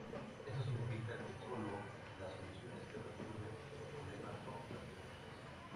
Esto significa que sólo las soluciones que resuelven el problema son pertinentes.